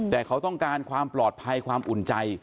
แต่เขาต้องการความปลอดภัยความอุ่นใจ